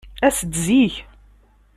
As-d zik.